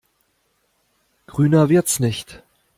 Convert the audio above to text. Grüner wird's nicht.